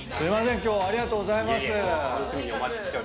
今日ありがとうございます。